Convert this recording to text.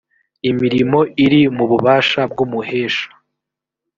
imirimo iri mu bubasha bw umuhesha